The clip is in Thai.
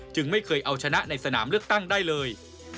ไม่เคยเอาชนะในสนามเลือกตั้งได้เลย